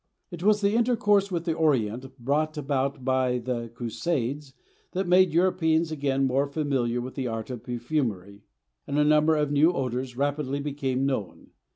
It was the intercourse with the Orient brought about by the Crusades that made Europeans again more familiar with the art of perfumery, and a number of new odors rapidly became known.